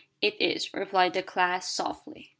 "It is," replied the class, softly.